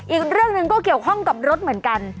อีกเรื่องหนึ่งก็เกี่ยวข้องกับรถเหมือนกัน